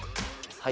はい。